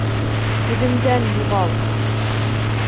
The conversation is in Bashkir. Күҙемдән юғал!